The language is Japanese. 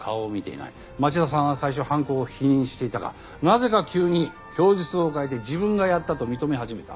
町田さんは最初犯行を否認していたがなぜか急に供述を変えて自分がやったと認め始めた。